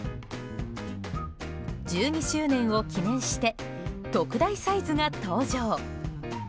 １２周年を記念して特大サイズが登場。